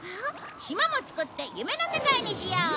島も作って夢の世界にしよう！